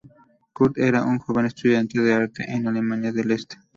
Kurt era un joven estudiante de arte en la Alemania del Este.